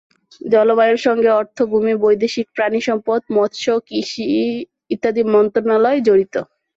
জলবায়ুর সঙ্গে অর্থ, ভূমি, বৈদেশিক, পানিসম্পদ, মৎস্য, কৃষি ইত্যাদি মন্ত্রণালয় জড়িত।